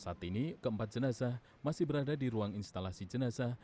saat ini keempat jenazah masih berada di ruang instalasi jenazah